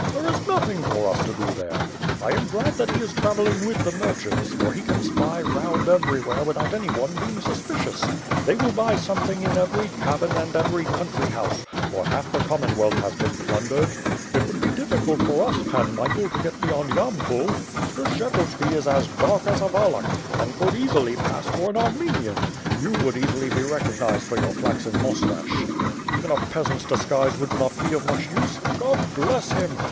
"There is nothing for us to do there. I am glad that he is travelling with the merchants, for he can spy round every where without any one being suspicious. They will buy some thing in every cabin and every country house, for half the Commonwealth has been plundered. It would be diflScult for us, Pan Michael, to get beyond Yampol. Skshetuski is as dark as a Wallach, and could easily pass for an Armenian; you would easily be recognized by your flaxen moustache. Even a peasant's disguise would not be of much use. .. God bless him!